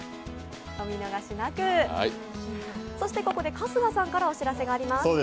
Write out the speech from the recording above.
ここで春日さんからお知らせがあります。